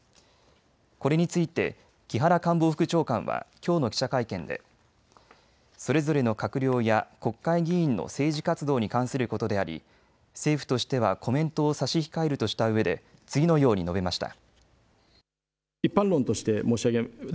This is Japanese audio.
これについて木原官房副長官はきょうの記者会見でそれぞれの閣僚や国会議員の政治活動に関することであり政府としてはコメントを差し控えるとしたうえで次のように述べました。